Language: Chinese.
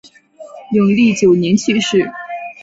永历九年去世。